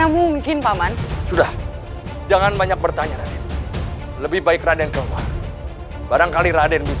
gusti siliwangi bertarung dengan gusti siliwangi